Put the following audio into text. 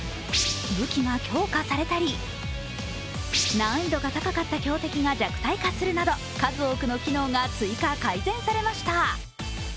ブキが強化されたり難易度が高かった強敵が弱体化するなど、数多くの機能が追加・改善されました。